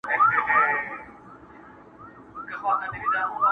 o بوچ د اختري خلاص دئ!